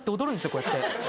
こうやって。